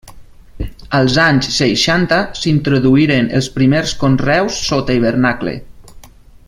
Als anys seixanta s'introduïren els primers conreus sota hivernacle.